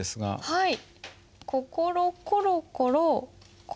はい。